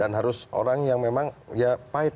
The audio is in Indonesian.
harus orang yang memang ya pahit